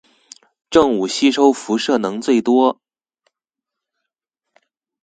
正午吸收輻射能最多